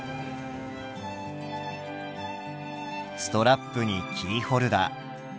ストラップにキーホルダー。